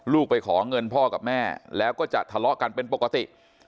ไปขอเงินพ่อกับแม่แล้วก็จะทะเลาะกันเป็นปกติ